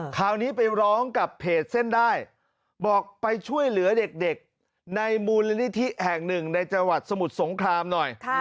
คราวนี้ไปร้องกับเพจเส้นได้บอกไปช่วยเหลือเด็กในมูลนิธิแห่งหนึ่งในจังหวัดสมุทรสงครามหน่อย